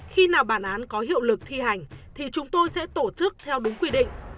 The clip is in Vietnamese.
khi nào bản án có hiệu lực thi hành thì chúng tôi sẽ tổ chức theo đúng quy định